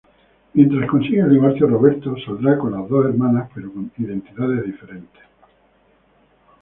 Mientras consigue el divorcio, Roberto saldrá con las dos hermanas pero con identidades diferentes.